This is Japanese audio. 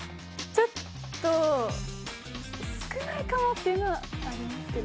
ちょっと少ないかもっていうのはありますけど。